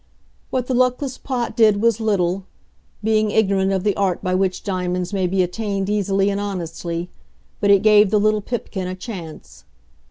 What the Luckless Pot did was little being ignorant of the art by which diamonds may be attained easily and honestly but it gave the little Pipkin a chance.